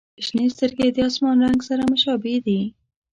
• شنې سترګې د آسمان رنګ سره مشابه دي.